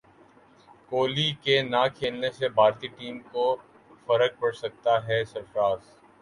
کوہلی کے نہ کھیلنے سے بھارتی ٹیم کو فرق پڑسکتا ہے سرفراز